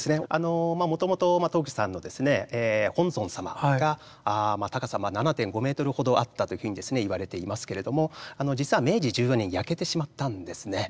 もともと東福寺さんの本尊様が高さ７．５メートルほどあったというふうに言われていますけれども実は明治１４年に焼けてしまったんですね。